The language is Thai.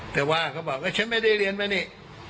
แต่ว่าเขาบอกว่าฉันไม่ได้เรียนมานี่